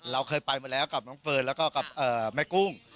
เราเคยไปมาแล้วกับน้องเฟิร์นแล้วก็กับแม่กุ้ง